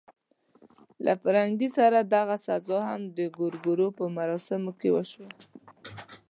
له پرنګي سره دغه غزا هم د ګورګورو په موسم کې وشوه.